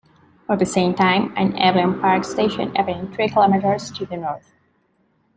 At the same time, an "Albion Park" station opened three kilometres to the north.